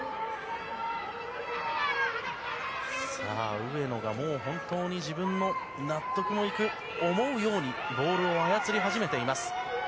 上野がもう本当に自分の納得のいく思うようにボールを操り始めています。